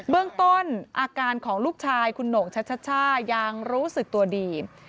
เรื่องต้นอาการของลูกชายคุณโหน่งชัชช่ายังรู้สึกตัวดี